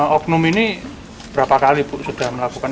hukum ini berapa kali ibu sudah melakukan